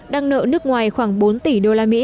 đang nợ nước ngoài khoảng bốn tỷ usd